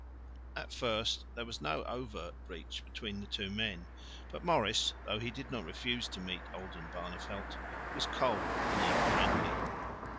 At first there was no overt breach between the two men, but Maurice, though he did not refuse to meet Oldenbarneveldt, was cold and unfriendly.